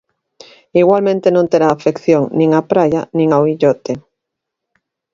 Igualmente non terá afección nin á praia nin ao illote.